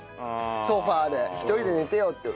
ソファで１人で寝てよって。